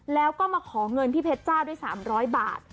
แล้วก็มาขอเงินพี่เพชรเจ้าด้วย๓๐๐บาท